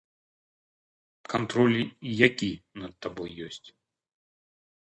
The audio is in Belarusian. Кантроль які над табой ёсць?